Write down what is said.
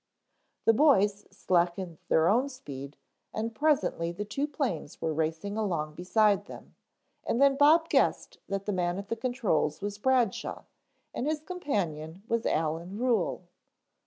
The boys slackened their own speed, and presently the two planes were racing along beside them, and then Bob guessed that the man at the controls was Bradshaw and his companion was Allen Ruhel.